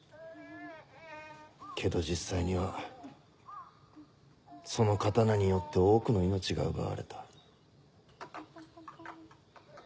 けど実際にはその刀によって多くの命が奪われた。